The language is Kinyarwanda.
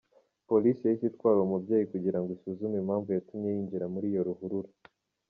Polisi yahise itwara uwo mubyeyi kugira ngo isuzume impamvu yatumye yinjira muri iyo ruhurura.